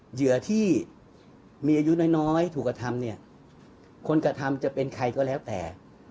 เหยื่อที่มีอายุน้อยน้อยถูกกระทำเนี่ยคนกระทำจะเป็นใครก็แล้วแต่